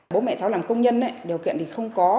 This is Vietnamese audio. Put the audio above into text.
bố mẹ cháu làm công nhân điều kiện thì không có